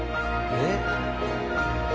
えっ？